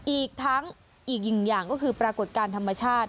อีกทั้งอีกหนึ่งอย่างก็คือปรากฏการณ์ธรรมชาติ